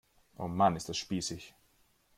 Oh Mann, ist das spießig!